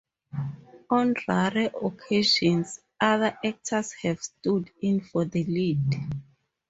On rare occasions, other actors have stood in for the lead.